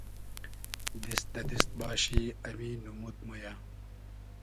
دیست دۂ دیست باشی امی نومود مۉ یۂ